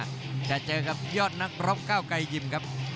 แต่เจอกับยอดนักรบก้าวไกรยิมครับ